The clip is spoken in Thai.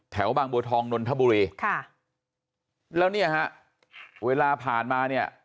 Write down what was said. แถวบางบัวทองนนทบุรีค่ะแล้วเนี่ยฮะเวลาผ่านมาเนี่ย